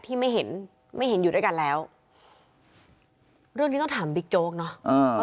ที่ไม่เห็นไม่เห็นอยู่ด้วยกันแล้วเรื่องนี้ต้องถามบิ๊กโจ๊กเนอะ